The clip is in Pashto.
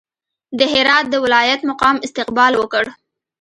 د هرات د ولایت مقام استقبال وکړ.